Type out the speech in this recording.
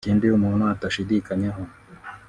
Ikindi umuntu atashidikanyaho